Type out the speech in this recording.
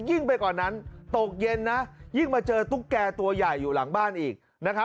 ยิ่งไปกว่านั้นตกเย็นนะยิ่งมาเจอตุ๊กแก่ตัวใหญ่อยู่หลังบ้านอีกนะครับ